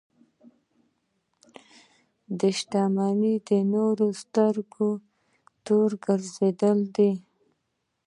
دا شتمنۍ د نورو د سترګو تور ګرځېدلې ده.